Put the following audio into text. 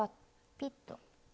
ピッと。